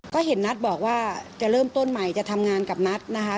ก็เห็นนัทบอกว่าจะเริ่มต้นใหม่จะทำงานกับนัทนะคะ